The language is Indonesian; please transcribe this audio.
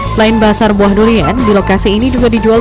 selain basar buah durian di lokasi ini juga dijual